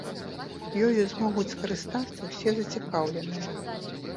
Ёю змогуць скарыстацца ўсе зацікаўленыя.